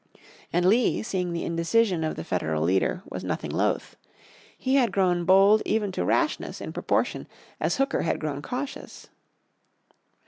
And Lee, seeing the indecision of the Federal leader, was nothing loath. He had grown bold even to rashness in proportion as Hooker had grown cautious.